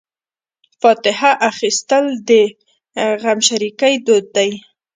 فاتحه اخیستل د غمشریکۍ دود دی.